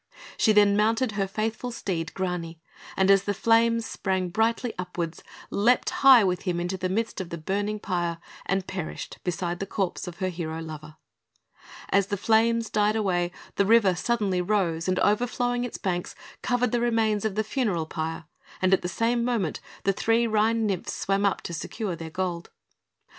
She then mounted her faithful steed, Grani, and as the flames sprang brightly upwards, leaped high with him into the midst of the burning pyre, and perished beside the corpse of her hero lover. As the flames died away, the river suddenly rose, and overflowing its banks, covered the remains of the funeral pile; and at the same moment, the three Rhine nymphs swam up to secure their Gold.